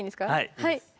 はい。